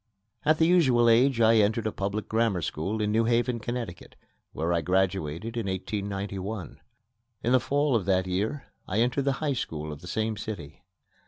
At the usual age, I entered a public grammar school in New Haven, Connecticut, where I graduated in 1891. In the fall of that year I entered the High School of the same city.